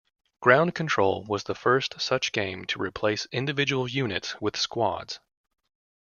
"Ground Control" was the first such game to replace individual units with "squads".